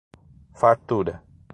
Fartura